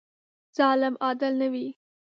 ظالم عادل نه وي.